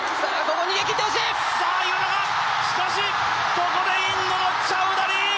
ここでインドのチャウダリ！